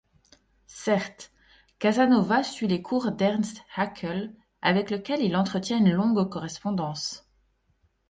Certes, Casanova suit les cours d'Ernst Haeckel, avec lequel il entretient une longue correspondance.